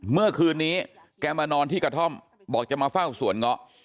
เมื่อคืนนี้แกมานอนที่กระท่อมบอกจะมาเฝ้าสวนเงาะ